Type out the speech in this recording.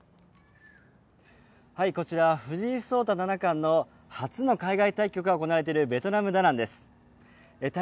こちら藤井聡太七冠の初の海外対局が行われているベトナムダナンです。